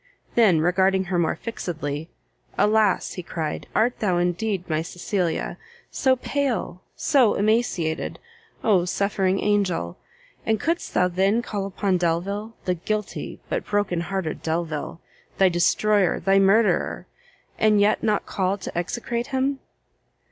then regarding her more fixedly, "Alas," he cried, "art thou indeed my Cecilia! so pale, so emaciated! Oh suffering angel! and couldst thou then call upon Delvile, the guilty, but heart broken Delvile, thy destroyer, thy murderer, and yet not call to execrate him?"